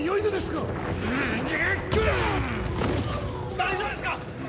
大丈夫ですか！？